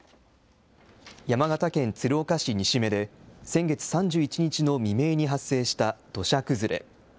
山形県鶴岡市西目で、先月３１日の未明に発生した土砂崩れ。